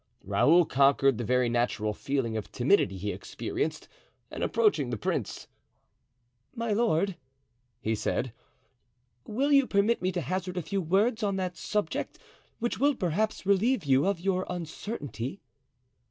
Raoul conquered the very natural feeling of timidity he experienced and approaching the prince: "My lord," he said, "will you permit me to hazard a few words on that subject, which will perhaps relieve you of your uncertainty?"